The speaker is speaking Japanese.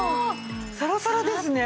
サラサラですね。